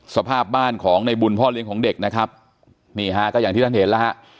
สภาพบ้านของในบุญพ่อเลี้ยงของเด็กนะครับนี่ฮะก็อย่างที่ท่านเห็นแล้วฮะ